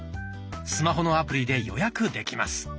スマホのアプリで予約できます。